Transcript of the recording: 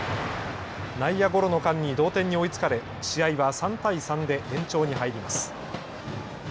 内野ゴロの間に同点に追いつかれ試合は３対３で延長に入ります。